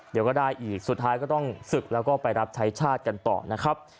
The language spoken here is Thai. เดี๋ยวก็ได้อีกสุดท้ายก็ต้องศึกแล้วก็ไปรับใช้ชาติกันต่อนะครับ